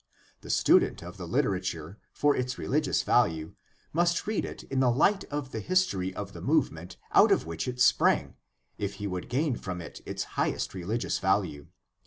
The student of the hterature for its rehgious value must read it in the light of the history of the movement out of which it sprang if he would gain from it its highest religious value.